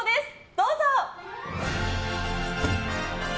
どうぞ！